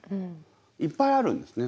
いっぱいあるんですね